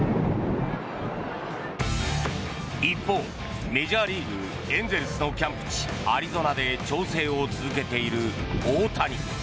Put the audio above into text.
一方、メジャーリーグエンゼルスのキャンプ地アリゾナで調整を続けている大谷。